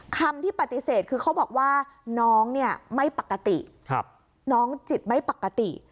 คำที่ปฏิเสธคือเขาบอกว่าน้องเนี่ยไม่ปกติน้องจิตไม่ปกติ